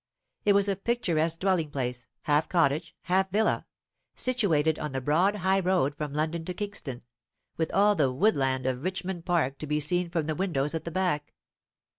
It was a picturesque dwelling place, half cottage, half villa, situated on the broad high road from London to Kingston, with all the woodland of Richmond Park to be seen from the windows at the back.